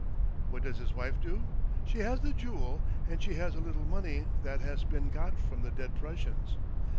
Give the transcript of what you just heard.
What does his wife do ? She has the jewel, and she has a httle money that has been got from the dead Prussians.